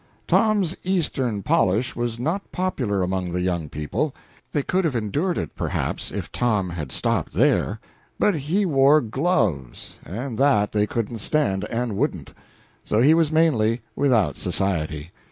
Tom's Eastern polish was not popular among the young people. They could have endured it, perhaps, if Tom had stopped there; but he wore gloves, and that they couldn't stand, and wouldn't; so he was mainly without society.